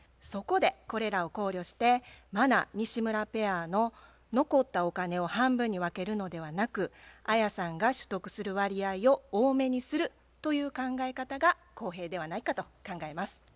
そこでこれらを考慮して茉奈・西村ペアの残ったお金を半分に分けるのではなくアヤさんが取得する割合を多めにするという考え方が公平ではないかと考えます。